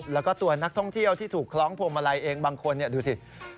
แล้วก็ตัวนักท่องเที่ยวที่ถูกคล้องพวงมาลัยเองบางคนดูสิ